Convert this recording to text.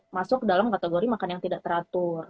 masuk dalam kategori makan yang tidak teratur